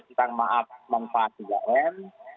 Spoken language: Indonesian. kita maaf mengusaha tiga m